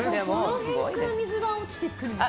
どの辺から水が落ちてくるんですか？